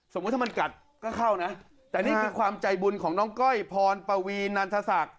ถ้ามันกัดก็เข้านะแต่นี่คือความใจบุญของน้องก้อยพรปวีนันทศักดิ์